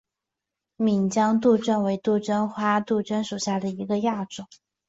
岷江杜鹃为杜鹃花科杜鹃属下的一个亚种。